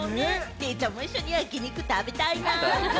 デイちゃんも一緒に焼き肉食べたいな。